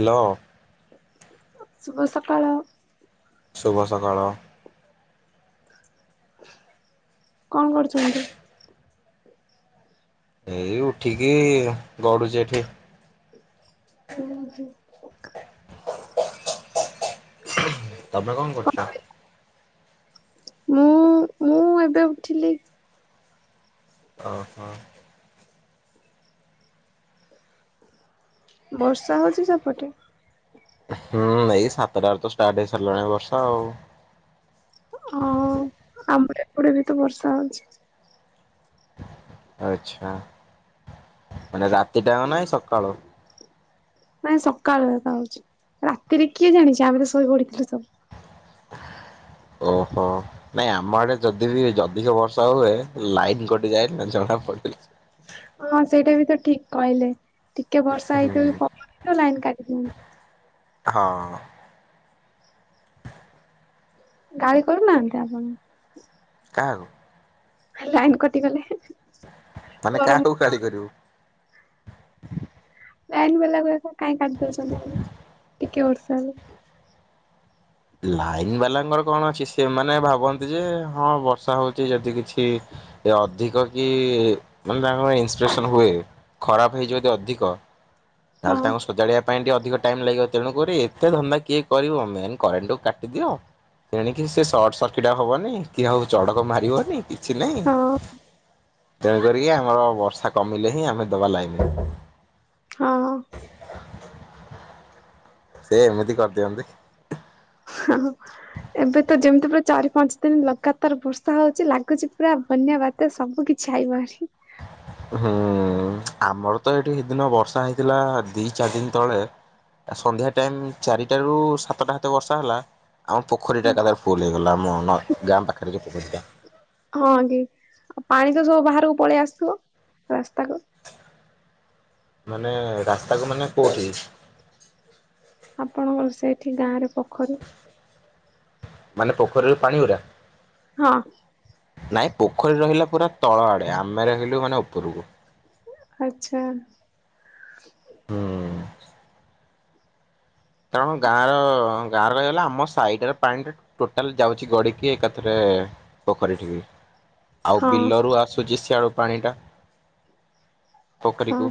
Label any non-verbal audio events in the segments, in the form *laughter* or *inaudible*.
Hello. ଶୁଭ ସକାଳ। ଶୁଭ ସକାଳ। କଣ କରୁଛନ୍ତି? ଏଇ ଉଠିକି ଗଡୁଚି ଏଠି। କଣ କରୁଚନ୍ତି? ତମେ କଣ କରୁଚ? ମୁଁ ମୁଁ ଏବେ ଉଠିଲି। ଓ ହୋ। ବର୍ଷା ହଉଚି ସେପଟେ? ହୁଁ ଏଇ ସାତଟାରେ ତ ଷ୍ଟାର୍ଟ ହେଇସାରିଲାଣି ବର୍ଷା ଆଉ। ହଁ ଆମର ଏପଟେ ବି ତ ବର୍ଷା ହଉଛି। ଆଛା ମାନେ ରାତିଟାକ ନାଇଁ ସକାଳୁ। ନାଇଁ ସକାଳୁ ଏ ହଉଛି ରାତିରେ କିଏ ଜାଣିଛି ଆମେ ତ ଶୋଇ ପଡିଥିଲୁ ସବୁ। *inaudible* ଓ ହୋ। ନାଇଁ ଆମ ଆଡେ ଯଦି ବି ଯଦି ଓ ବର୍ଷା ହୁଏ ଲାଇନ୍ କଟିଯାଏ ନା ଜଣା ପଡୁଚି। ହଁ ସେଇଟା ବି ତ ଠିକ୍ କହିଲେ ଟିକେ ବର୍ଷା ହୁଁ ହେଇଥିବ ପବନ ହେଇଥିବ ଲାଇନ୍ କାଟିଦିଅନ୍ତି। ହଁ। ଗାଳି କରୁନାହାଁନ୍ତି ଆପଣକୁ। କାହାକୁ। ଲାଇନ କଟିଗଲେ ହେଁ ହେଁ। ମାନେ କାହାକୁ କାଳି କରିବୁ। ଲାଇନ୍ ବାଲାକୁ କହିବ ତ କାଇଁକି କାଟି ଦଉଛନ୍ତି ଟିକେ ବର୍ଷା ହେଲେ। ଲାଇନ ବାଲାଙ୍କର କଣ ଅଛି ସେମାନେ ଭାବନ୍ତି ଯେ ହଁ ବର୍ଷା ହେଉଛି ଯଦି କିଛି। ଏ ଅଧିକ କି ମାନେ ତାଙ୍କର ଇନ୍ସପେକ୍ସନ ହୁଏ ଖରାପ ହୋଇଯିବ ଯଦି ଅଧିକ। ତାହେଲେ ହଁ ତାଙ୍କୁ ସଜାଡିବା। ପାଇଁ ଟିକେ ଅଧିକ ଟାଇମ ଲାଗିବ ତେଣୁ କରି ଏତେ ଧନ୍ଦା କିଏ କରିବ ମେନ୍ କରେଣ୍ଟ ଟାକୁ କାଟିଦିଅ। ଏଣିକି ସେ ସର୍ଟ ସର୍କିଟ୍ ଆଉ ହବନି କି ଆଉ ଚଡକ ମାରିବନି। କିଛି ନାହିଁ ହଁ ତେଣୁ କରିକି ଆମର ବର୍ଷା କମିଲେ ହିଁ ଆମେ ଦବା ଲାଇନ୍। ହଁ। ସେ ଏମିତି କରି ଦିଅନ୍ତି କି। ହଁ ହଁ। ଏବେ ତ ଯେମିତି ପୁରା ଚାରି ପାଞ୍ଚ ଦିନ ଲଗାତାର ବର୍ଷା ହଉଛି ଲାଗୁଛି ପୁରା ବନ୍ୟା ବା। ବାତ୍ୟା ସବୁ କିଛି ଆଇ ବହାରି। ହୁଁ ଆମର ତ ଏଇଠି ସେଦିନ ବର୍ଷା ହେଇଥିଲା ଦି ଚାରି ଦିନ ତଳେ। ଆ ସନ୍ଧ୍ୟା ଟାଇମ ଚାରିଟାରୁ ସାତ ଟା ହାତ ବର୍ଷା ହେଲା। ଆମ ପୋଖରୀ ଟା ଏକାଥରେ ଫୁଲ୍ ହେଇଗଲା ଆମ ଗାଁ ପାଖରେ ଯୋଉ ପୋଖରୀଟା। ହଁ କି ଆଉ ପାଣି ତ ସବୁ ବାହାରକୁ ପଳେଇ ଆସୁଥିବ ରାସ୍ତାକୁ। ମାନେ ରାସ୍ତାକୁ ମାନେ କୋଉଠି। ଆପଣଙ୍କର ସେଇଠି ଗାଁ ରେ ପୋଖରୀ। ମାନେ ପୋଖରୀ ରୁ ପାଣି ଗୁଡା। ହଁ। ନାଇଁ ପୋଖରୀ ରହିଲା ପୁରା ତଳ ଆଡେ ଆମେ ରହିଲୁ ମାନେ ଓପୁରୁକୁ। ଆଚ୍ଛା। କାରଣ ଗାଁ ର ଗାଁ ରହିଗଲା ଆମ ସାଇଡ୍ ର ପାଣିଟା। ଟୋଟାଲ୍ ଯାଉଛି ଗଡିକି ଏକାଥରେ ପୋଖରୀଠିକି। ଆଉ ହଁ। ବିଲରୁ ଆସୁଛି ସିଆଡୁ ପାଣି ଟା ହଁ ପୋଖରୀକୁ।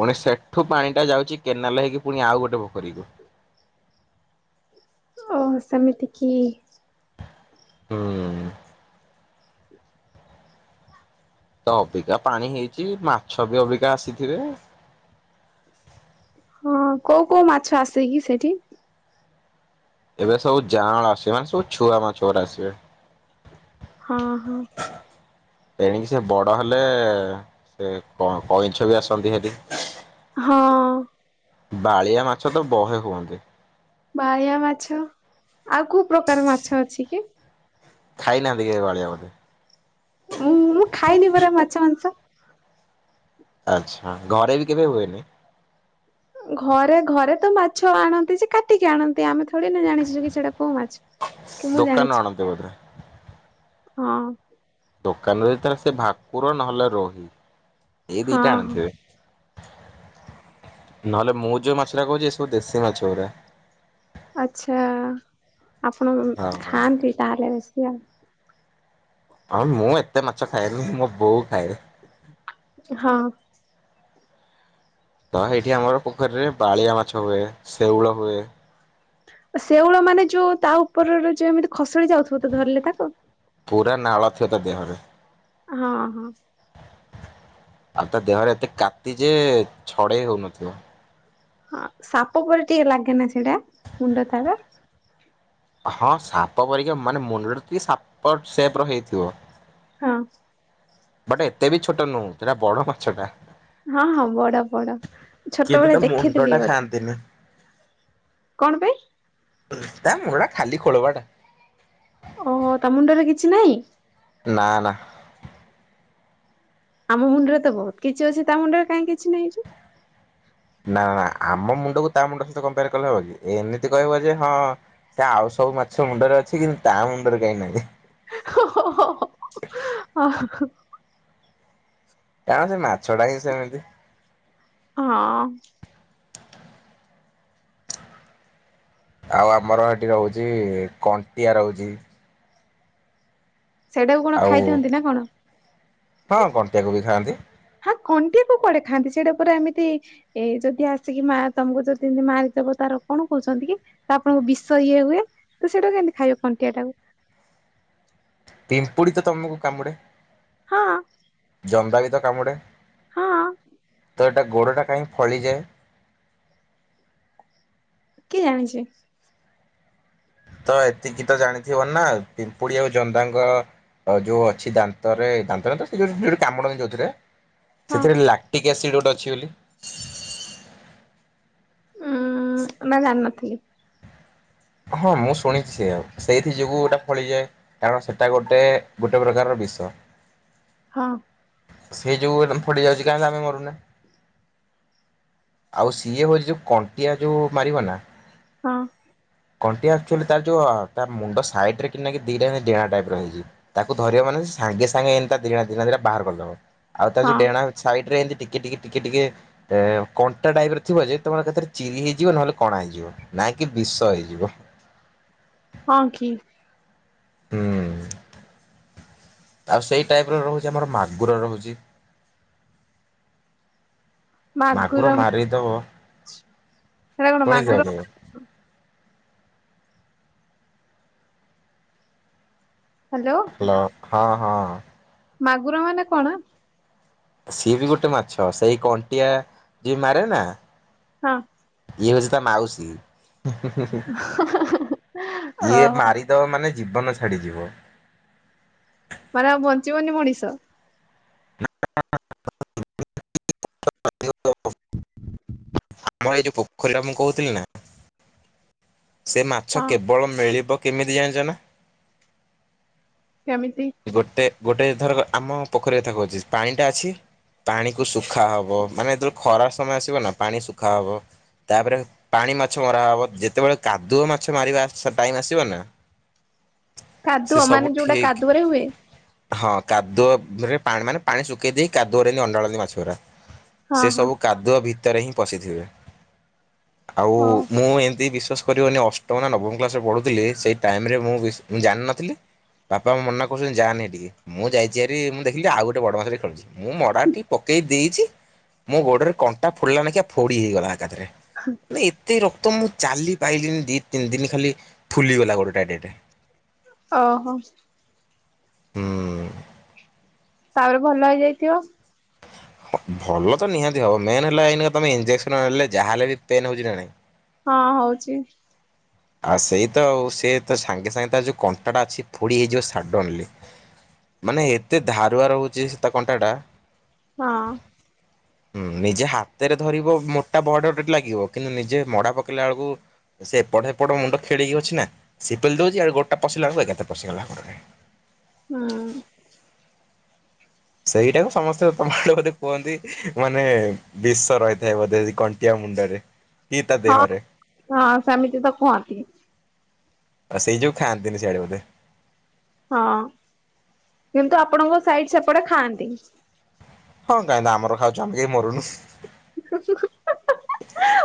ପୁଣି ସେଠୁ ପାଣି ଟା ଯାଉଛି କେନାଲ ହେଇକି ପୁଣି ଆଉ ଗୋଟେ ପୋଖରୀକୁ। ଓ ସେମିତି କି। ହୁଁ। ତ ଅବିକା ପାଣି ହେଇଚି ମାଛ ବି ଅବିକା ଆସିଥିବେ। ହଁ କୋଉ କୋଉ ମାଛ ଆସେ କି ସେଇଠି। ଏବେ ସବୁ ଯାଁଳ ଆସିବେ ମାନେ ସବୁ ଛୁଆ ମାଛଗୁଡା ଆସିବେ। ହଁ ହଁ। ଏଣିକି ସେ ବଡ ହେଲେ ସେ କଇଁଛ ବି ଆସନ୍ତି ସେଠି। ହଁ। ବାଳିଆ ମାଛ ତ ବହେ ହୁଅନ୍ତି। ବାଳିଆ ମାଛ ଆଉ କୋଉ ପ୍ରକାର ମାଛ ଅଛି କି? ଖାଇ ନାହାନ୍ତି କି ବାଳିଆ ବୋଧେ। ଉଁ ମୁଁ ଖାଇନି ପରା ମାଛ ମାଂସ। ଆଚ୍ଛା ଘରେ ବି କେବେ ହୁଏନି। ଘରେ ଘରେ ତ ମାଛ ଆଣନ୍ତି ସେ କାଟିକି ଆଣନ୍ତି। ଆମେ ଥୋଡ଼ି ନା ଜାଣିଛୁ କି ସେ ଟା କୋଉ ମାଛ। କି ମୁଁ ଦୋକାନରୁ ଜାଣିଚି। ଆଣନ୍ତି ବୋଧେ? ହଁ। ଦୋକାନରେ ଯେତୋଳେ ସେ ଭାକୁର ନ ହେଲେ ରୋହି ଏଇ ଦି ହଁ ଟା ହଁ ଆଣିଥିବେ। ନ ହେଲେ ମୁଁ ଯୋଉ ମାଛ ଟା କହୁଚି ସେଟା ଦେଶୀ ମାଛ ଗୁରା। ଆଛା ଆପଣ ହଁ ହଁ। ଖାଆନ୍ତି ତାହେଲେ ବେଶୀ ଆଉ। ହଁ ମୁଁ ଏତେ ମାଛ ଖାଏନି ମୋ ବୋଉ ଖାଏ। ହଁ। ତ ହେଇଠି ଆମର ପୋଖରୀରେ ବାଳିଆ ମାଛ ହୁଏ, ସେଉଳ ହୁଏ। ସେଉଳ ମାନେ ଯୋଉ ତା ଉପରର ଯୋଉ ଏମିତି ଖସଡି ଯାଉଥିବ ତ ଧରିଲେ ତାକୁ? ପୁରା ନାଳ ଥିବ ତା ଦେହରେ। ହଁ ହଁ। ଆଉ ତା ଦେହରେ ଏତେ କାତି ଯେ ଛଡେଇ ହୋଉନଥିବ। ହଁ ସାପ ପରି ଟିକେ ଲାଗେ ନା ସେଇଡା ମୁଣ୍ଡ ତାର? ହଁ ସାପ ପରିକା ମାନେ ମୁଣ୍ଡଟା ଟିକେ ସାପ ସେପ୍ ର ହେଇଥିବ। ହଁ। ବଟ୍ ଏତେ ବି ଛୋଟ ନୁହଁ ସେଇଟା ବଡ ମାଛ ଟା। ହଁ ହଁ ବଡ ବଡ କିନ୍ତୁ ଛୋଟବେଳେ ତା ଦେଖିଥିଲି ମୁଣ୍ଡଟା ବୋଧେ। ଖାଆନ୍ତିନି କଣ ପାଇଁ? ତା ମୁଣ୍ଡ ଖାଲି ଖୋଳପାଟା। ଓହୋ ତା ମୁଣ୍ଡରେ କିଛି ନାହିଁ। ନା ନା। ଆମ ମୁଣ୍ଡରେ ତ ବହୁତ କିଛି ଅଛି ତା ମୁଣ୍ଡରେ କାହିଁ କିଛି ନାହିଁ ଯେ? ନା ନା ଆମ ମୁଣ୍ଡକୁ ତା ମୁଣ୍ଡ ସହିତ କମ୍ପେଆର କଲେ ହବ କି ଏମିତି କହିବ ଯେ ହଁ ସେ ଆଉ ସବୁ ମାଛ ମୁଣ୍ଡରେ ଅଛି କିନ୍ତୁ ତା ମୁଣ୍ଡରେ କାହିଁ ନାହିଁ। ହୋ ହୋ ହୋ ଉଁ ହଁ। କାରଣ ସେ ମାଛ ଟା ହିଁ ସେମିତି। ହଁ। ଆଉ ଆମର ଏଠି ରହୁଚି କଣ୍ଟିଆ ରଉଚି। ସେଇଟାକୁ କଣ ଆଉ ଖାଇଥାଆନ୍ତି ନା କଣ? ହଁ କଣ୍ଟିଆ କୁ ବି ଖାଆନ୍ତି। ହାକ୍ କଣ୍ଟିଆ କୁ କୁଆଡେ ଖାଆନ୍ତି ସେଇଟା ପୁରା ଏମିତି ଏଇ ଯଦି ଆସିକି ମା ତମକୁ ଯଦି ଏମିତି ମାରିଦେବ ତାର କଣ କହୁଛନ୍ତି କି? ତ ଆପଣଙ୍କୁ ବିଷ ଇଏ ହୁଏ ତ ସେଇଟା କେମିତି ଖାଇବେ କଣ୍ଟିଆ ଟାକୁ। ପିମ୍ପୁଡି ତ ତମକୁ କାମୁଡେ? ହଁ। ଜନ୍ଦା ବି ତ କାମୁଡେ? ହଁ। ତ ଏଟା ଗୋଡ଼ଟା କାହିଁ ଫଳିଯାଏ? କିଏ ଜାଣିଛି। ତ ଏତିକି ତ ଜାଣିଥିବ ନା ପିମ୍ପୁଡି ଆଉ ଜନ୍ଦାଙ୍କ ଆଉ ଯୋଉ ଅଛି ଦାନ୍ତରେ ଦାନ୍ତ ତ ସେ ଯୋଉ ଯ କାମୁଡନ୍ତି ଯୋଉଥିରେ। ହଁ। ସେଥିରେ ଲାକ୍ଟିକ୍ ଏସିଡ୍ ଗୋଟେ ଅଛି ବୋଲି? ଉଁ ନା ଜାଣିନଥିଲି। ହଁ ମୁଁ ଶୁଣିଛି ସେୟା ସେଇଥି, ଯୋଗୁ ଏଇଟା ଫଳିଯାଏ। କାରଣ ସେଟା ଗୋଟେ ଗୋଟେ ପ୍ରକାରର ବିଷ। ହଁ। ସେଇ ଯୋଉ ଏକଦମ ଫୋଡି ଯାଉଛି କାହିଁ ତ ଆମେ ମରୁନେ। ଆଉ ସିଏ ହଉଛି ଯୋଉ କଣ୍ଟିଆ ଯୋଉ ମାରିବ ନା ହଁ। କଣ୍ଟିଆ ଆକ୍ଚୁଆଲି ତାର ଯୋଉ ତା ମୁଣ୍ଡ ସାଇଡ ରେ କିନା କିି ଦିଇଟା ଡେଣା ଟାଇପ ର ହେଇଛି। ତାକୁ ଧରିବ ମାନେ ସେ ସାଙ୍ଗେ ସାଙ୍ଗେ ଏମିତିଆ ଡ଼େଣା ଡ଼େଣା ଦିଟା ବାହାର କରିଦେବ। ଆଉ ତା ଯୋଉ ହଁ ଡେଣା ସାଇଡ ରେ ଏମତି ଟିକେ ଟିକେ ଟିକେ ଟିକେ ଏଁ କଣ୍ଟା ଟାଇପର ଥିବ ଯେ ତମର ଏକାଥରେ ଚିରି ହେଇଯିବ ନହେଲେ କଣା ହେଇଯିବ। ନା କି ବିଷ ହେଇଯିବ। ହଁ କି। ହୁଁ। ଆଉ ସେଇ ଟାଇପର ରହୁଛି, ଆମର ମାଗୁର ରହୁଛି। ମାଗୁର ମାରିଦବ। ସେଟା କଣ ଶୁଣିଥିବ ମାଗୁର କେବେ? ହାଲୋ। ହାଲୋ, ହଁ ହଁ। ମାଗୁର ମାନେ କଣ? ସିଏ ବି ଗୋଟେ ମାଛ। ସେଇ କଣ୍ଟିଆ ଯିଏ ମାରେ ନା ହଁ। ଇଏ ହଉଛି ତା ମାଉସି। ହୁଁ ହୁଁ ଯିଏ ଓହୋ ମାରି ଦବ ମାନେ ଜୀବନ ଛାଡ଼ିଯିବ। ମାନେ ଆଉ ବଞ୍ଚିବନି ମଣିଷ? *inaudible* ଆମର ଏଇ ଯୋଉ ପୋଖରୀଟା ମୁଁ କହୁଥିଲି ନା। ସେ ମାଛ ହଁ କେବଳ ମିଳିବ କେମିତି ଜାଣିଛ ନା? କେମିତି? ଗୋଟେ ଗୋଟେ ଧରକ ଆମ ପୋଖରୀ କଥା କହୁଛି ପାଣିଟା ଅଛି ପାଣି କୁ ଶୁଖା ହବ, ମାନେ ଯେତେବଳକୁ ଖରା ସମୟ ଆସିବ ନା ପାଣି ଶୁଖା ହବ ତାପରେ ପାଣି ମାଛ ମରା ହବ, ଯେତେବେଳେ କାଦୁଅ ମାଛ ମାରିବା ଟାଇମ ଆସିବ ନା ସେ କାଦୁଅ, ସବୁ ମାନେ ଯୋଉଟା ଠିକ କାଦୁଅରେ ହୁଏ। ହଁ କାଦୁଅରେ ପାଣ ମାନେ, ପାଣି ଶୁଖେଇ ଦେଇ କାଦୁଅରେ ଏମିତି ଅଣ୍ଡାଳନ୍ତି ମାଛ ଗୁଡା। ହଁ ସେ ହଁ। ସବୁ କାଦୁଅ ଭିତରେ ହିଁ ପଶିଥିବେ। ଆଉ ହଁ ମୁଁ ଏମିତି ବିଶ୍ଵାସ କରିବନି, ଅଷ୍ଟମ ନା ନବମ କ୍ଲାସରେ ପଢୁଥିଲି ସେଇ ଟାଇମରେ ମୁଁ ବି ମୁଁ ଜାଣିନଥିଲି। ବାପା ମନା କହୁଛନ୍ତି ଯାଆନି ହେଟିକି। ମୁଁ ଯାଇଛି ହାରି ମୁଁ ଦେଖିଲି ଯେ ଆଉ ଗୋଟ ବଡ ମାଛଟେ ଖେଳୁଛି। ମୁଁ ମଡା ଟି ପକେଇ ଦେଇଛି, ମୋ ଗୋଡରେ କଣ୍ଟା ଫୋଡିଲା ନାଖୀଆ ଫୋଡି ହେଇଗଲା। ଏକାଥରେ, ମାନେ ଏତେ ରକ ତ ମୁଁ ଚାଲି ପାଇଲିିନି ଦି ତିନି ଦିନ ଖାଲି ଫୁଲିଗଲା ଗୋଡ଼ଟା ଏଡେ ଏଡେ। ଓହୋ। ହୁଁ। ତାପରେ ଭଲ ହେଇଯାଇଥିବ। ହଁ ଭଲ ତ ନିହାତି ହବ। ମେନ୍ ହେଲା ଏଇନେକା ତମେ ଇଞ୍ଜେକ୍ସନ ନେଲେ ଯାହେଲେ ବି ପେନ୍ ହଉଛି ନା ନାହିଁ। ହଁ ହଉଛି। ଆଉ ସେଇ ତ ଆଉ। ସେ ତ ସାଙ୍ଗେ ସାଙ୍ଗେ ତା ଯୋଉ କଣ୍ଟାଟା ଅଛି ଫୋଡି ହେଇଯିବ ସଡନଲି। ମାନେ ଏତେ ଧାରୁଆ ରହୁଛି ସେ ତା କଣ୍ଟାଟା। ହଁ। ହୁଁ ନିଜେ ହାତରେ ଧରିବ ମୋଟା ବଡ ଟେ ଲାଗିବ, କିନ୍ତୁ ନିଜେ ମଡା ପକେଇଲା ବେଳକୁ ସେ ଏପଟ ହେପଟ ମୁଣ୍ଡ ଖେଳିକି ଅଛି ନା। ସେ ପେଲି ଦଉଛି ଆଉ ଗୋଡଟା ପଶିଲା ବେଳକୁ ଏକାଥରେ ପଶିଗଲା ହେ ଗୋଡରେ। ହୁଁ। ସେଇଟାକୁ ସମସ୍ତେ ତମ ଆଡେ ବୋଧେ କୁହନ୍ତି ମାନେ ବିଷ ରହିଥାଏ ବୋଧେ କଣ୍ଟିଆ ମୁଣ୍ଡରେ। କି ତା ହଁ ଦେହରେ ହଁ ସେମିତି ତ କୁହନ୍ତି। ଆ ସେଇ ଯୋଉ ଖଆନ୍ତିନି ସିଆଡେ ବଧେ। ହଁ। କିନ୍ତୁ ଆପଣଙ୍କ ସାଇଡ ସେପଟେ ଖାଆନ୍ତି। ହଁ କାଇଁତ ଆମର ଖାଉଛୁ, ଆମେ କେହି ମରୁନୁ। ହୁଁ ହୁଁ।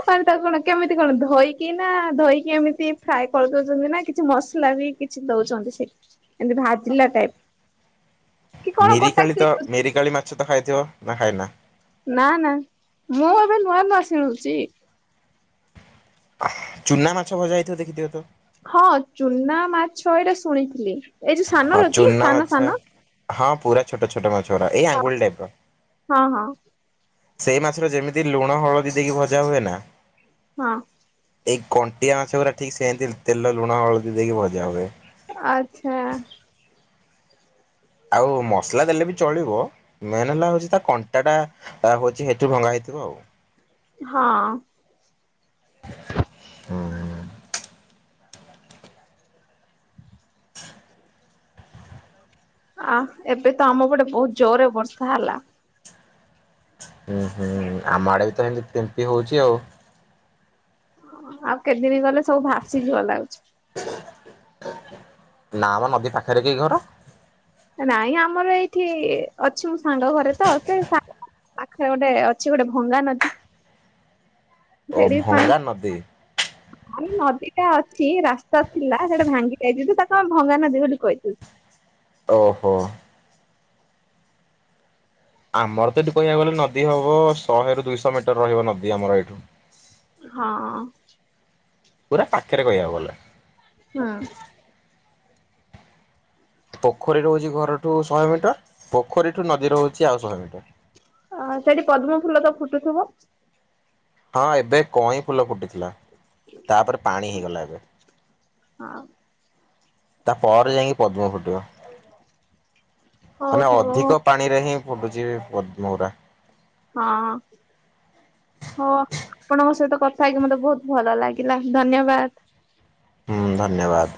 ମାନେ, ତାକୁ କଣ କେମିତି କଣ ଧୋଇକି ନା, ଧୋଇକି ଏମିତି ଫ୍ରାଏ କରିଦଉଛନ୍ତି ନା, କିଛି ମସଲା ବି କିଛି ଦଉଛନ୍ତି ସେଠି, ଏମିତି ଭାଜିଲା ଟାଇପ୍। ମିରିକାଳି ତ, ମିରିକାଳି ମାଛ ତ ଖାଇଥିବ ନା ଖାଇନା? ନା ନା ମୁଁ ଏବେ ନୂଆ ନୂଆ ଶିଳୁଛି। ଆହ୍ ଚୁନା ମାଛ ଭଜା ହେଇଥିବ ଦେଖିଥିବ ତ? ହଁ ଚୁନା ମାଛ ଏଇଟା ଶୁଣିଥିଲି, ଏଇ ଯୋଉ ହଁ ସାନର କି? ଚୁନା ସାନ ମାଛ ସାନ। ହଁ ପୁରା ଛୋଟ ଛୋଟ ମାଛ ଗୁଡା। ଏଇ ହଁ ଆଙ୍ଗୁଳି ଟାଇପ୍ ର। ହଁ ହଁ ସେଇ ମାଛରେ ଯେମିତି ଲୁଣ ହଳଦୀ ଦେଇକି ଭଜା ହୁଏ ନା? ହଁ ଏଇ କଣ୍ଟିଆ ମାଛ ଗୁରା ଠିକ୍ ସେନ୍ତି ତେଲ ଲୁଣ ହଳଦୀ ଦେଇକି ଭଜା ହୁଏ। ଆଛା। ଆଉ ମସଲା ଦେଲେ ବି ଚଳିବ। ମେନ୍ ହେଲା ହଉଛି ତା କଣ୍ଟା ଟା ହଉଛି ହେଇଠୁ ଭଙ୍ଗା ହେଇଥିବ ଆଉ। ହଁ ଆ ଏବେ ତ ଆମ ପଟେ ବହୁତ୍ ଜୋରେ ବର୍ଷା ହେଲା। ହୁଁ ହୁଁ ଆମ ଆଡେ ବି ତ ଏମତି ହେମିତି ଫିମ୍ପି ହଉଛି ଆଉ। ଆଉ କେତେଦିନ ଗଲେ ସବୁ ଭାସିଯିବ ଲାଗୁଛି। ନା ମ ନଦୀ ପାଖରେ କି ଘର? ନାଇଁ ଆମର ଏଇଠି ଅଛି ମୋ ସାଙ୍ଗ ଘରେ ତ ସେ ସା ପାଖରେ ଗୋଟେ ଅଛି ଗୋଟେ ଭଙ୍ଗା ନଦୀ। ଓ ସେଇଠି ବି ପାଣି ଭଙ୍ଗା ନଦୀ ନାଇ ନଦୀ ଟା ଅଛି। ରାସ୍ତା ଥିଲା। ସେଟା ଭାଙ୍ଗି ଯାଇଛି ତ ତାକୁ ଆମେ ଭଙ୍ଗାନଦୀ ବୋଲି କହିଦଉଛୁ। ଓହୋ ଆମର ତ ଏଠି କହିବାକୁ ଗଲେ ନଦୀ ହବ ଶହେରୁ ଦୁଇଶହ ମିଟର ରହିବ ନଦୀ ଆମର ଏଇଠୁ। ହଁ ପୁରା ପାଖରେ କହିବାକୁ ଗଲେ। ହଁ ପୋଖରୀ ରହୁଛି ଘରଠୁ ଶହେ ମିଟର ପୋଖରୀଠୁ ନଦୀ ରହୁଛି ଆଉ ଶହେ ମିଟର ଆ ସେଠି ପଦ୍ମ ଫୁଲ ତ ଫୁଟୁଥିବ? ହଁ ଏବେ କଇଁ ଫୁଲ ଫୁଟିଥିଲା। ତାପରେ ପାଣି ହେଇଗଲା ଏବେ। ହଁ ତାପରେ ଯାଇକି ପଦ୍ମ ଫୁଟିବ। ହଉ ମାନେ ହଉ ଅଧିକ ପା ଣିରେ ହିଁ ଫୁଟୁଛି ପଦ୍ମ ଗୁରା। ହଁ ହୋଉ ଆପଣଙ୍କ ସହିତ କଥା ହେଇକି ମତେ ବହୁତ ଭଲ ଲାଗିଲା, ଧନ୍ୟବାଦ। ହୁଁ ଧନ୍ୟବାଦ।